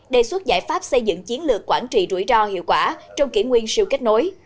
đề xuất giải pháp xây dựng chiến lược quản trị rủi ro hiệu quả trong kỷ nguyên siêu kết nối